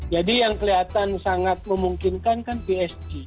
jadi yang kelihatan sangat memungkinkan kan psg